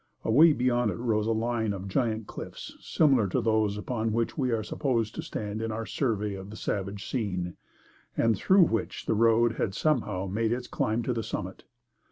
Away beyond it rose a line of giant cliffs similar to those upon which we are supposed to stand in our survey of the savage scene, and through which the road had some how made its climb to the summit.